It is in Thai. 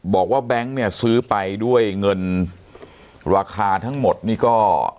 แบงค์เนี่ยซื้อไปด้วยเงินราคาทั้งหมดนี่ก็